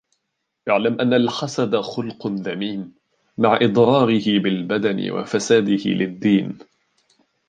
اعْلَمْ أَنَّ الْحَسَدَ خُلُقٌ ذَمِيمٌ مَعَ إضْرَارِهِ بِالْبَدَنِ وَفَسَادِهِ لِلدَّيْنِ